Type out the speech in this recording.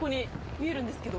見えるんですけど。